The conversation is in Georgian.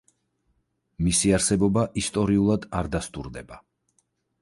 მისი არსებობა ისტორიულად არ დასტურდება.